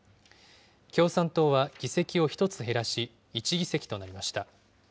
共産党は議席を１つ減らし、１議席となりました。